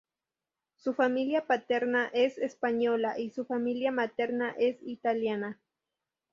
Su familia paterna es española y su familia materna es italiana.